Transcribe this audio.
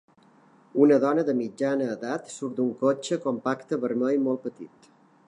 Una dona de mitjana edat surt d'un cotxe compacte vermell molt petit.